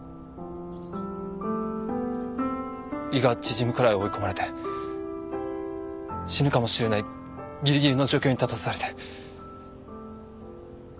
胃が縮むくらい追い込まれて死ぬかもしれないギリギリの状況に立たされて。